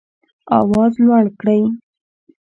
آواز لوړ کړئ